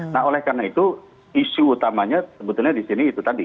nah oleh karena itu isu utamanya sebetulnya di sini itu tadi